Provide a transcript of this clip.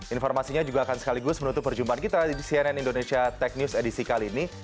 informasinya juga akan sekaligus menutup perjumpaan kita di cnn indonesia tech news edisi kali ini